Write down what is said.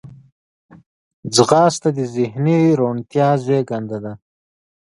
ځغاسته د ذهني روڼتیا زیږنده ده